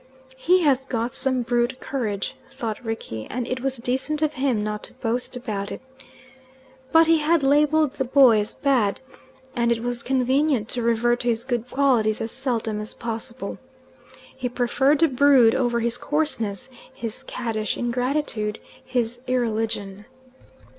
"He has got some brute courage," thought Rickie, "and it was decent of him not to boast about it." But he had labelled the boy as "Bad," and it was convenient to revert to his good qualities as seldom as possible. He preferred to brood over his coarseness, his caddish ingratitude, his irreligion.